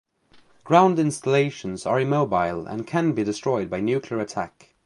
Ground installations are immobile, and can be destroyed by nuclear attack.